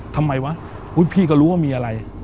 ทำไมวะพี่ก็รู้ว่ามีอะไร